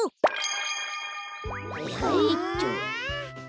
はいはいっと。